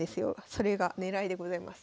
それが狙いでございます。